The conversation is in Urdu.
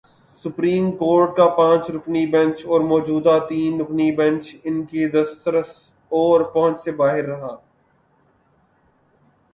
سپریم کورٹ کا پانچ رکنی بینچ اور موجودہ تین رکنی بینچ ان کی دسترس اور پہنچ سے باہر رہا۔